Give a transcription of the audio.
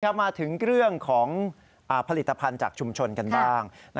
มาถึงเรื่องของผลิตภัณฑ์จากชุมชนกันบ้าง